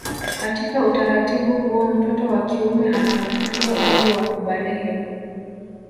Katika utaratibu huo mtoto wa kiume anapofikia umri wa kubalehe